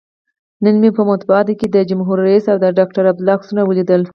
نن مې په مطبوعاتو کې د جمهور رئیس او ډاکتر عبدالله عکسونه ولیدل.